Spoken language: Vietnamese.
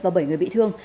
và bảy người bị thương